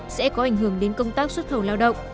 sẽ có ảnh hưởng đến công tác xuất khẩu lao động